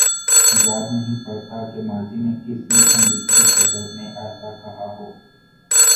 یاد نہیں پڑتا کہ ماضی میں کسی امریکی صدر نے ایسا کہا ہو۔